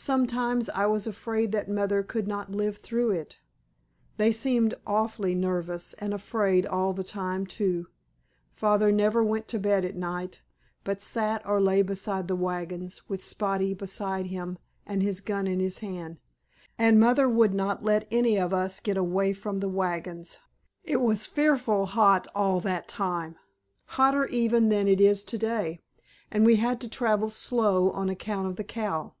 Sometimes I was afraid that Mother could not live through it. They seemed awfully nervous and afraid all the time, too. Father never went to bed at night, but sat or lay beside the wagons with Spotty beside him and his gun in his hand, and Mother would not let any of us get away from the wagons. "It was fearful hot all that time—hotter even than it is to day—and we had to travel slow on account of the cow.